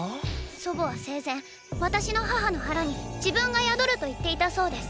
祖母は生前私の母の腹に自分が宿ると言っていたそうです。